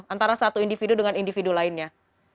antara satu individu dengan individu lainnya